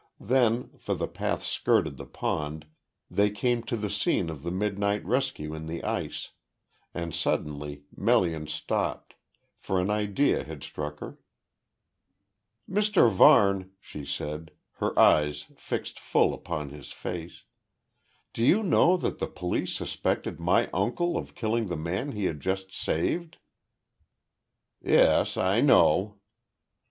Then for the path skirted the pond they came to the scene of the midnight rescue in the ice; and suddenly Melian stopped, for an idea had struck her. "Mr Varne," she said, her eyes fixed full upon his face. "Do you know that the police suspected my uncle of killing the man he had just saved?" "Yes. I know."